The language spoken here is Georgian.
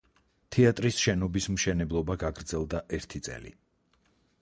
თეატრის შენობის მშენებლობა გაგრძელდა ერთი წელი.